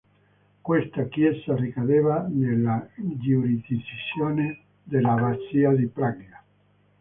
Questa chiesa ricadeva nella giurisdizione dell'abbazia di Praglia.